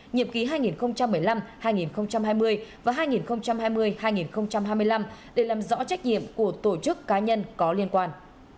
nhiệm ký hai nghìn một mươi năm hai nghìn hai mươi và hai nghìn hai mươi hai nghìn hai mươi năm để làm rõ trách nhiệm của tổ chức cá nhân có liên quan